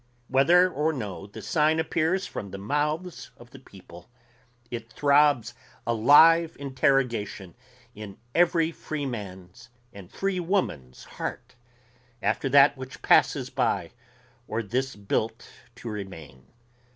Whether or no the sign appears from the mouths of the people, it throbs a live interrogation in every freeman's and freewoman's heart after that which passes by or this built to remain.